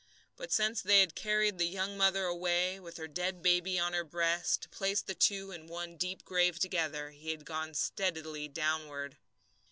But since they had carried the young mother away, with her dead baby on her breast, to place the two in one deep grave together, he had gone steadily downward.